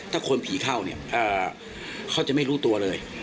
ถ้าคนผีเข้าเนี่ยเขาจะไม่รู้ตัวเลย